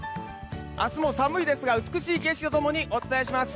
明日も寒いですが美しい景色とともにお伝えします。